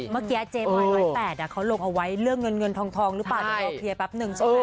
เมื่อกี้เจ๊บอย๑๐๘เขาลงเอาไว้เรื่องเงินเงินทองหรือเปล่าเดี๋ยวรอเคลียร์แป๊บหนึ่งใช่ไหม